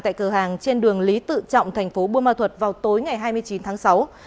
tại cửa hàng trên đường lý tự trọng thành phố buôn ma thuật vào tối ngày hai mươi chín tháng sáu